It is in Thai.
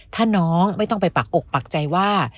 ถ้าน้องไม่ต้องไปปักอกปักใจว่า